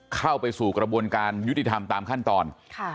เข้าไปสู่กระบวนการยุติธรรมตามขั้นตอน